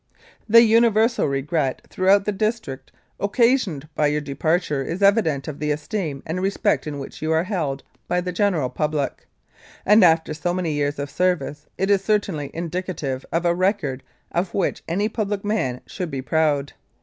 "The universal regret throughout the district occa sioned by your departure is evidence of the esteem and respect in which you are held by the general public, and after so many years of service it is certainly indicative of a record of which any public man should be proud.